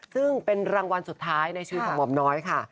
ซึ่งเป็นรางวัลสุดท้ายในชีวิตของหม่อมน้อยค่ะ